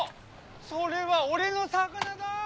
それは俺の魚だ。